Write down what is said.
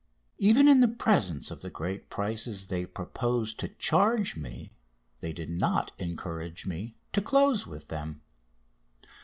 Even in presence of the great prices they proposed to charge me they did not encourage me to close with them.